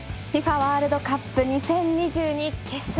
ワールドカップ２０２２決勝。